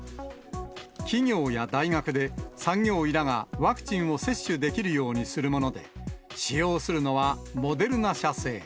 企業や大学で、産業医らがワクチンを接種できるようにするもので、使用するのはモデルナ社製。